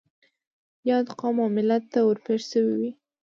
ياد قوم او ملت ته ور پېښ شوي وي.